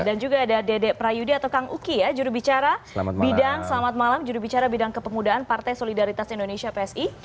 dan juga ada dede prayudi atau kang uki judubicara bidang kepemudaan partai solidaritas indonesia psi